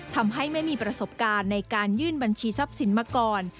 ทำให้ไม่มีประสบการณ์ในการยื่นบัญชีทรัพย์สินมาก่อน